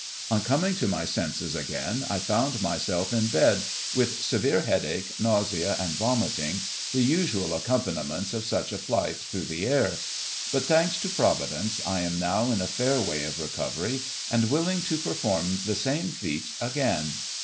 On coming to my senses again, I found myself in bed, with severe headache, nausea and vomiting, the usual accompaniments of such a flight through the air ; but, thanks to Providence, I am now in a fair way of recovery, and willing to perform the same feat again."